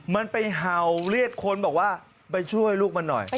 มันไปเห่าเรียกคนบอกว่าไปช่วยลูกมันหน่อย